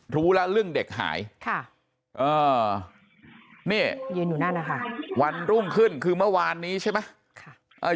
รู้แล้วเรื่องเด็กหายนี่วันรุ่งขึ้นคือเมื่อวานนี้ใช่ไหม